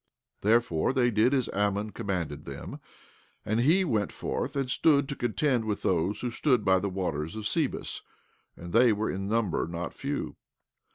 17:34 Therefore, they did as Ammon commanded them, and he went forth and stood to contend with those who stood by the waters of Sebus; and they were in number not a few.